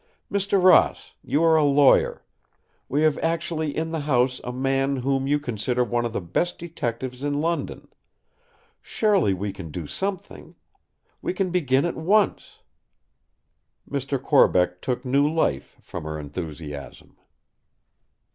Mr. Ross, you are a lawyer. We have actually in the house a man whom you consider one of the best detectives in London. Surely we can do something. We can begin at once!" Mr. Corbeck took new life from her enthusiasm.